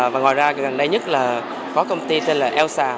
và ngoài ra càng đầy nhất là có công ty tên là elsa